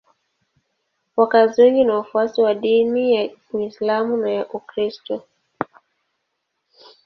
Wakazi wengi ni wafuasi wa dini ya Uislamu na ya Ukristo.